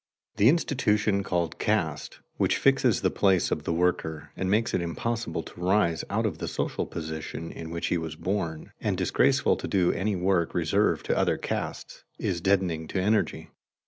_ The institution called caste, which fixes the place of the worker and makes it impossible to rise out of the social position in which he is born, and disgraceful to do any work reserved to other castes, is deadening to energy.